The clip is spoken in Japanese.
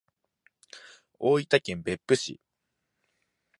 大分県別府市